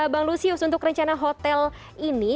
bang lusius untuk rencana hotel ini